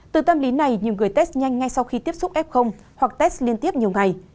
từ tâm lý này nhiều người test nhanh ngay sau khi tiếp xúc f hoặc test liên tiếp nhiều ngày